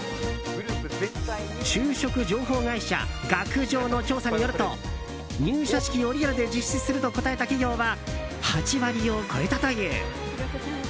就職情報会社学情の調査によると入社式をリアルで実施すると答えた企業は８割を超えたという。